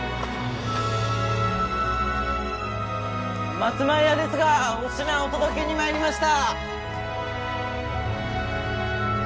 松前屋ですがお品お届けにまいりました